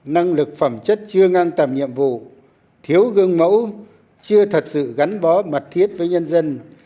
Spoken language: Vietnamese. năng lực phẩm chất chưa ngang tầm nhiệm vụ thiếu gương mẫu chưa thật sự gắn bó mật thiết với nhân dân